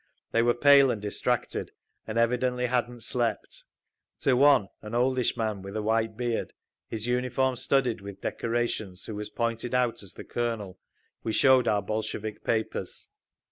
They were pale and distracted, and evidently hadn't slept. To one, an oldish man with a white beard, his uniform studded with decorations, who was pointed out as the Colonel, we showed our Bolshevik papers.